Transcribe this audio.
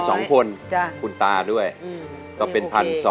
๖๐๐สองคนคุณตาด้วยก็เป็น๑๒๐๐